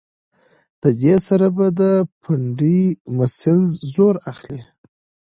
د دې سره به د پنډۍ مسلز زور اخلي